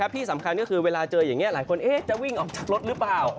ที่สำคัญก็คือเวลาเจออย่างนี้หลายคนจะวิ่งออกจากรถหรือเปล่า